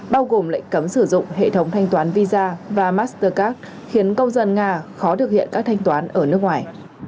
bao gồm lệnh cấm sử dụng hệ thống thanh toán visa và mastercard khiến công dân nga khó thực hiện các thanh toán ở nước ngoài